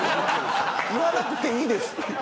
言わなくていいです。